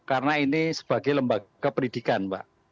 karena ini sebagai lembaga pendidikan mbak